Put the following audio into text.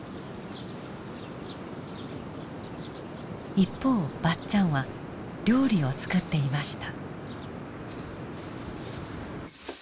一方ばっちゃんは料理を作っていました。